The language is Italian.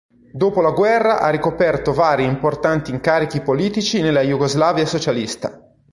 Dopo la guerra ha ricoperto vari importanti incarichi politici nella Jugoslavia socialista.